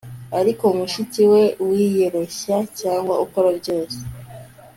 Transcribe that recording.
ariko mushiki we wiyoroshya, cyangwa ukora byose